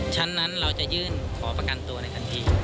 ฉะนั้นเราจะยื่นขอประกันตัวในการที่